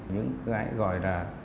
những cái gọi là